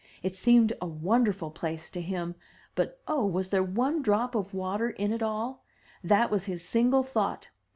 It seemed a wonderful place to him; but, oh! was there one drop of water in it all? That was his single thought.